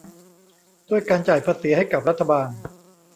ด้วยการจ่ายภาษีให้กับรัฐบาล